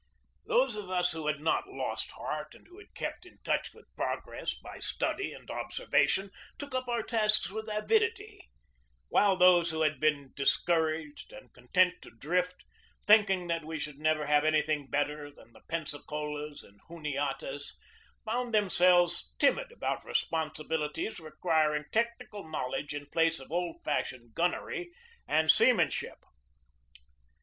Those of us who had not lost heart and who had kept in touch with progress by study and observation took up our tasks with avidity, while those who had been discouraged and content to drift, thinking that we should never have anything better than the Pensa colas and Juniatas, found themselves timid about re sponsibilities requiring technical knowledge in place of old fashioned gunnery and seamanship.